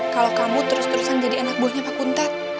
kalau kamu terus terusan jadi anak buahnya pak kuntet